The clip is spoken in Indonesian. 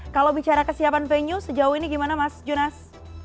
kalau bicara kesiapan venue sejauh ini gimana mas junas